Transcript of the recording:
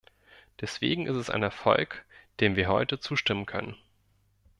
Deswegen ist es ein Erfolg, dem wir heute zustimmen können.